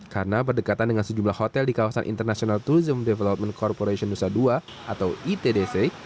karena berdekatan dengan sejumlah hotel di kawasan international tourism development corporation nusa dua atau itdc